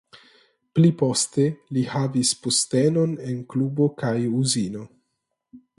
Pli poste li havis postenon en klubo kaj uzino.